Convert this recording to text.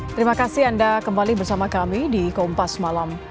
terima kasih anda kembali bersama kami di kompas malam